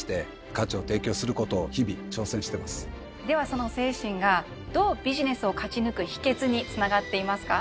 その精神がどうビジネスを勝ち抜く秘訣につながっていますか？